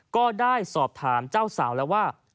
ก็ได้สอบถามเจ้าสาวแล้วว่า